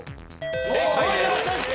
正解です。